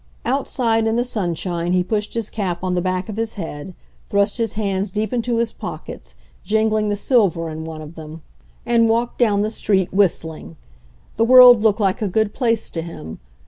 Outside in the sunshine he pushed his cap on the back of his head, thrust his hands deep into his pockets, jingling the silver in one of them, and 18 HENRY FORD'S OWN STORY walked down the street, whistling. The world looked like a good place to him.